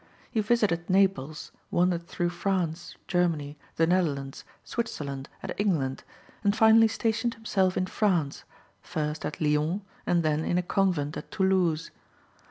He visited Naples, wandered through France, Germany, the Netherlands, Switzerland, and England, and finally stationed himself in France, first at Lyons, and then in a convent at Toulouse.